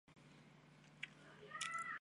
我们看了看时间